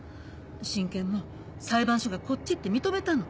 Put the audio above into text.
親権も裁判所がこっちって認めたの。